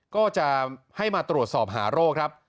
ก็จะให้มาตรวจสอบหาโรคครับ